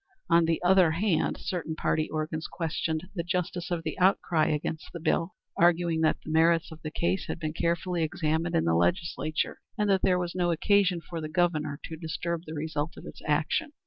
On the other hand, certain party organs questioned the justice of the outcry against the bill, arguing that the merits of the case had been carefully examined in the Legislature and that there was no occasion for the Governor to disturb the result of its action.